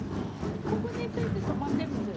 ここについて止まってるんですよ。